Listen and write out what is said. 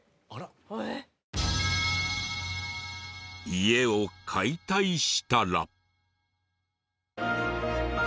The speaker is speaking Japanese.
家を解体したら。